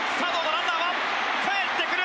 ランナーはかえってくる！